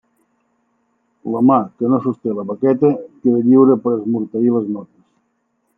La mà que no sosté la baqueta queda lliure per esmorteir les notes.